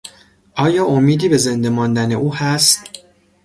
آیا امیدی به زنده ماندن او هست؟